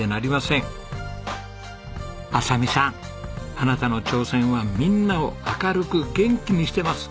あなたの挑戦はみんなを明るく元気にしてます。